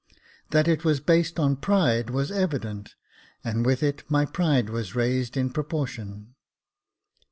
That it was based on pride was evident, and with it my pride was raised in proportion.